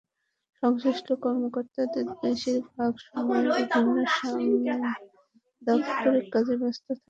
সংশ্লিষ্ট কর্মকর্তাদের বেশির ভাগ সময়ে বিভিন্ন দাপ্তরিক কাজে ব্যস্ত থাকতে হয়।